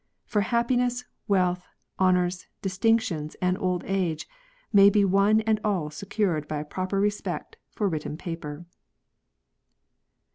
For happiness, wealth, honours, distinctions, and old age, may be one and all secured by a pro])er respect for written paper."